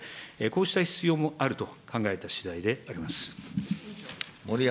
こうした必要もあると考えたしだいであります。